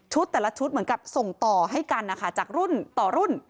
แต่ละชุดเหมือนกับส่งต่อให้กันนะคะจากรุ่นต่อรุ่น